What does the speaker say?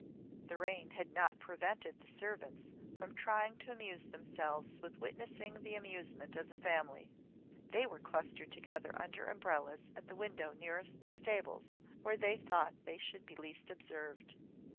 The rain had not prevented the servants from trying to amuse themselves with witnessing the amusement of the family. They were clustered together under umbrellas at the window nearest the stables, where they thought they should be least observed.